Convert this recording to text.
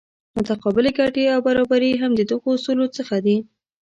متقابلې ګټې او برابري هم د دغو اصولو څخه دي.